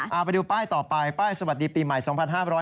เอาไปดูป้ายต่อไปป้ายสวัสดีปีใหม่๒๕๖๒